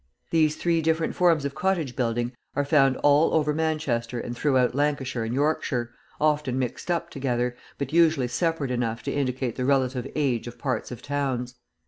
These three different forms of cottage building are found all over Manchester and throughout Lancashire and Yorkshire, often mixed up together, but usually separate enough to indicate the relative age of parts of towns.